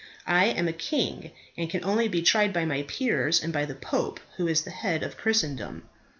I am a king, and can only be tried by my peers and by the pope, who is the head of Christendom.